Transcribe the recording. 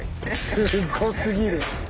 すごすぎる。